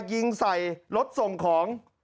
ยิงใส่รถส่งของ